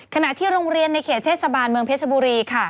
ขณะที่โรงเรียนในเขตเทศบาลเมืองเพชรบุรีค่ะ